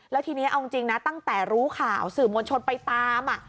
แล้วทีนี้เอาจริงนะตั้งแต่รู้ข่าวสื่อมวลชนไปตาม